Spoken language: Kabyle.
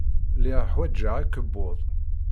Lliɣ ḥwajeɣ akebbuḍ.